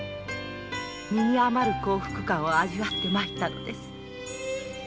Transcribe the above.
身に余る幸福感を味わって参ったのです。